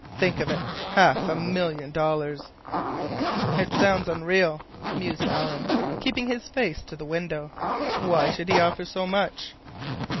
Think of it—half a million dollars!" "It sounds unreal," mused Alan, keeping his face to the window. "Why should he offer so much?"